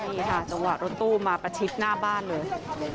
นี่ค่ะจังหวะรถตู้มาประชิดหน้าบ้านเลย